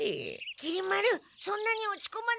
きり丸そんなに落ちこまないで。